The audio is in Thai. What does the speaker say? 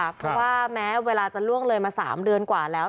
เพราะว่าแม้เวลาจะล่วงเลยมา๓เดือนกว่าแล้ว